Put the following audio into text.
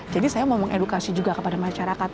jadi saya mau mengedukasi juga kepada masyarakat